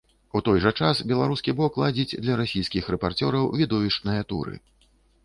У той жа час беларускі бок ладзіць для расійскіх рэпарцёраў відовішчныя туры.